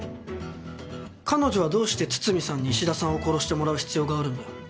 彼女はどうして堤さんに衣氏田さんを殺してもらう必要があるんだよ？